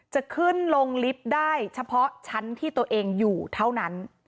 จะขึ้นลงลิฟต์ได้เฉพาะชั้นที่ตัวเองอยู่เท่านั้น